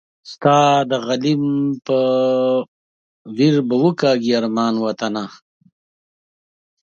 ستا د غلیم په ویر به وکاږي ارمان وطنه